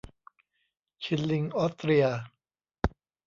ชิลลิงออสเตรีย